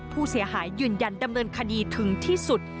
ผู้เสียหายยืนยันดำเนินคดีถึงที่สุด